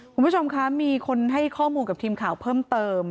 คุณผู้ชมคะมีคนให้ข้อมูลกับทีมข่าวเพิ่มเติม